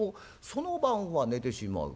その晩は寝てしまう。